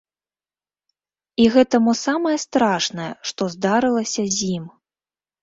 І гэта мо самае страшнае, што здарылася з ім.